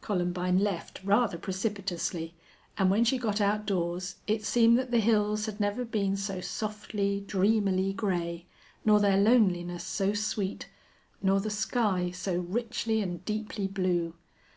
Columbine left rather precipitously, and when she got outdoors it seemed that the hills had never been so softly, dreamily gray, nor their loneliness so sweet, nor the sky so richly and deeply blue.